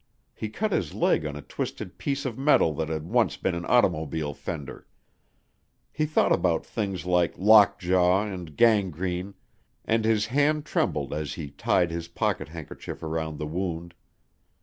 He cut his leg on a twisted piece of metal that had once been an automobile fender. He thought about things like lock jaw and gangrene and his hand trembled as he tied his pocket handkerchief around the wound.